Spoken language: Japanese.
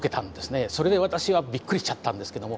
それで私はびっくりしちゃったんですけども。